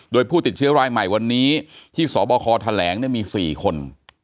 โดยผู้ติดเชื้อรายใหม่วันนี้ที่สบคแถลงมี๔คน